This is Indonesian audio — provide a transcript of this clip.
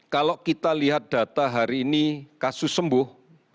kalau kita lihat data hari ini kasus sembuh